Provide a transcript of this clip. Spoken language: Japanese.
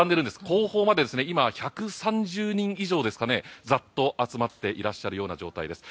後方まで今、１３０人以上ですかねざっと集まっていらっしゃるような状態です。